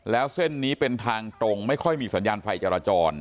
แล้วเส้นนี้เป็นทางตรงไม่ค่อยมีสัญญาณไฟจราจร